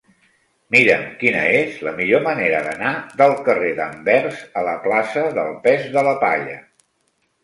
Mira'm quina és la millor manera d'anar del carrer d'Anvers a la plaça del Pes de la Palla.